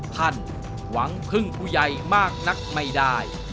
หวังพึ่งผู้ใหญ่มากนักไม่ได้